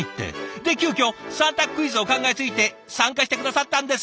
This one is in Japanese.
で急きょ三択クイズを考えついて参加して下さったんです。